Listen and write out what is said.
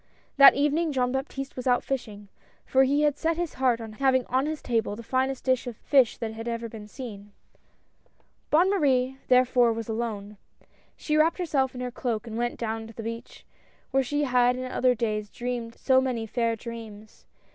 That evening Jean Baptiste was out fishing, for he had set his heart on having on his table the finest dish of fish that had ever been seen. Bonne Marie 204 AT LAST. therefore was alone. She wrapped herself in her cloak and went down to the beach, where she had in other days dreamed so many fair dreams.